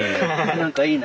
何かいいな。